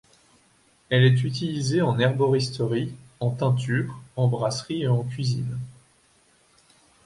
Elle est utilisée en herboristerie, en teinture, en brasserie et en cuisine.